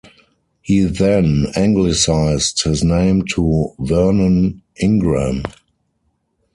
He then Anglicised his name to Vernon Ingram.